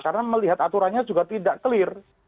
karena melihat aturannya juga tidak clear